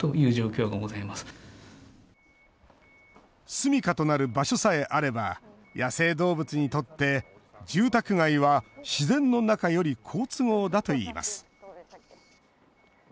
住みかとなる場所さえあれば、野生動物にとって、住宅街は自然の中より好都合だといいます。